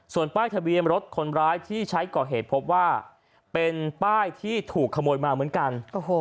ส่วนป้ายทะเบียนรถคนร้ายที่ใช้ก่อเหตุพบว่าเป็นป้ายที่ถูกขโมยมาเหมือนกัน